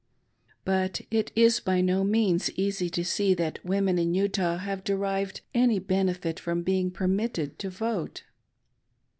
But it is by no means easy to see that women in Utah have derived any benefit from being permitted to vote.